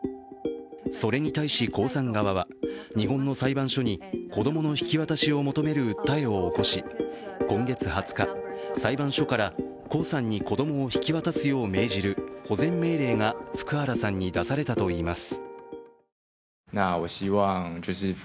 それに対し、江さん側は、日本の裁判所に子供の引き渡しを求める訴えを起こし今月２０日、裁判所から江さんに子供を引き渡すよう命じる保全命令が福原さんに出されたといいます。